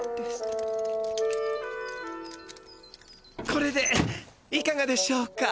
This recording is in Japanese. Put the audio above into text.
これでいかがでしょうか？